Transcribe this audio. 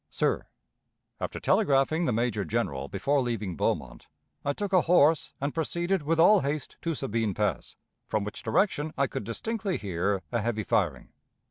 _ "SIR: After telegraphing the Major General before leaving Beaumont, I took a horse and proceeded with all haste to Sabine Pass, from which direction I could distinctly hear a heavy firing.